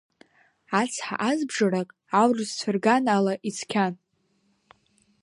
Ацҳа азбжарак, аурысқәа рган ала, ицқьан.